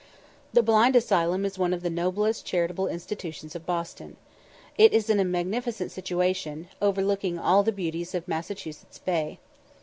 The Blind Asylum is one of the noblest charitable institutions of Boston. It is in a magnificent situation, overlooking all the beauties of Massachusett's Bay.